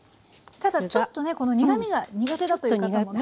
ただちょっとねこの苦みが苦手だという方もね。